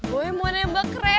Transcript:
boy mau nembak reva